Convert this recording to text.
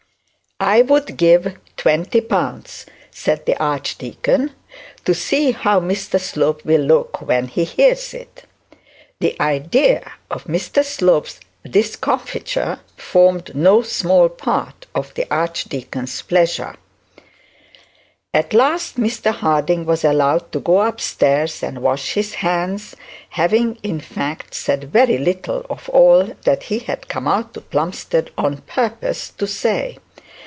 'I would give twenty pounds,' said the archdeacon, 'to see how Mr Slope will look when he hears it.' The idea of Mr Slope's discomfiture formed no small part of the archdeacon's pleasure. At last Mr Harding was allowed to go up stairs and wash his hands, having, in fact, said very little of all that he had come out to Plumstead on purpose to say.